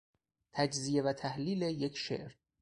تجزیه و تحلیل یک شعر